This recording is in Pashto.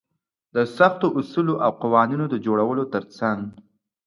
د سختو اصولو او قوانينونو د جوړولو تر څنګ.